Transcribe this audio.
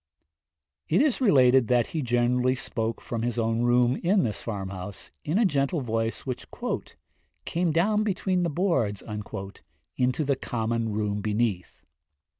It is related that he generally spoke from his own room in this farm house, in a gentle voice which 'came down between the boards' into the common room beneath.